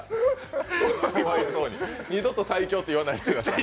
二度と最強と言わないでください。